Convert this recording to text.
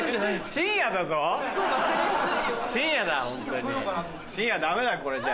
深夜ダメだこれじゃ。